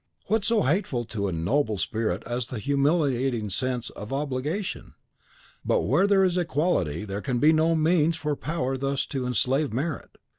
What so hateful to a noble spirit as the humiliating sense of obligation? But where there is equality there can be no means for power thus to enslave merit.